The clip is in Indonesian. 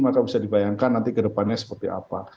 maka bisa dibayangkan nanti ke depannya seperti apa